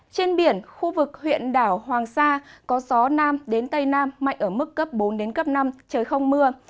trên biển khu vực huyện đảo hoàng sa có gió nam đến tây nam mạnh ở mức cấp bốn đến cấp năm trời không mưa